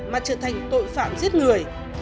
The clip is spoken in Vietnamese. mà trở thành tội phạm giết người